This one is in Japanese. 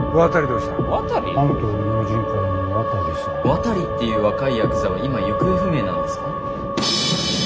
「渡」っていう若いヤクザは今行方不明なんですか？